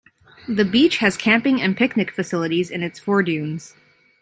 The beach has camping and picnic facilities in its foredunes.